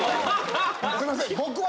すいません。